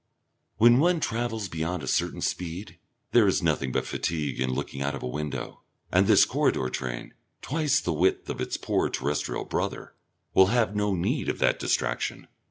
When one travels beyond a certain speed, there is nothing but fatigue in looking out of a window, and this corridor train, twice the width of its poor terrestrial brother, will have no need of that distraction.